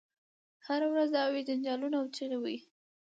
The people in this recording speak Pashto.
هره ورځ دعوې جنجالونه او چیغې وي.